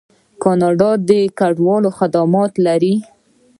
کاناډا د کډوالو خدمتونه لري.